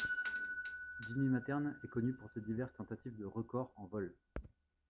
Jimmie Mattern est connu pour ses diverses tentatives de records en vol.